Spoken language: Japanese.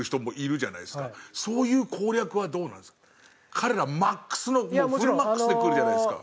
彼らマックスのもうフルマックスで来るじゃないですか。